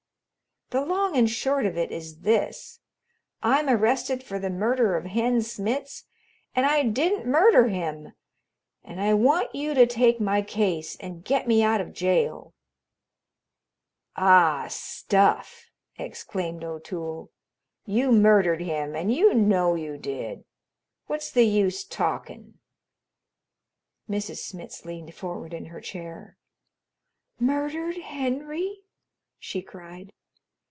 "The long and short of it is this: I'm arrested for the murder of Hen Smitz, and I didn't murder him and I want you to take my case and get me out of jail." "Ah, stuff!" exclaimed O'Toole. "You murdered him and you know you did. What's the use talkin'?" Mrs. Smitz leaned forward in her chair. "Murdered Henry?" she cried.